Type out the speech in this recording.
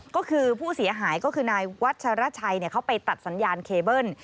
ก็คือผู้เสียหายก็คือนายวัชรชัยเขาไปตัดสัญญาณเคเบิ้ล